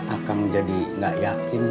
akang jadi gak yakin